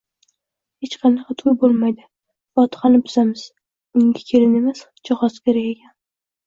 Hech qanaqa to‘y bo‘lmaydi, fotihani buzamiz, unga kelin emas, jihoz kerak ekan